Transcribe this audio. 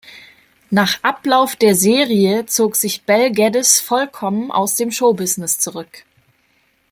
Nach Ablauf der Serie zog sich Bel Geddes vollkommen aus dem Showbusiness zurück.